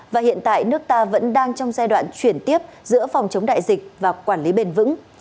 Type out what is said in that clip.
và hiện tại nước ta vẫn đang trong giai đoạn chuyển tiếp giữa phòng chống đại dịch và quản lý bền vững